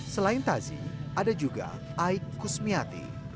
selain tazi ada juga aik kusmiati